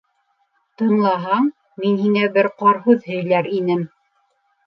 Тыңлаһаң, мин һиңә бер ҡарһүҙ һөйләр инем.